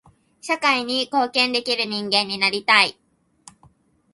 社会に貢献できる人間になりたい。